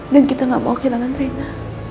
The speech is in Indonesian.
dan kita gak mau kehilangan rina